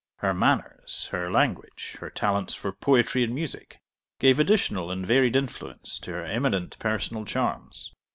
Her manners, her language, her talents for poetry and music, gave additional and varied influence to her eminent personal charms.